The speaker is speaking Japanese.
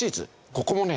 ここもね